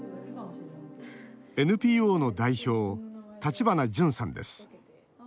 ＮＰＯの代表、橘ジュンさんです。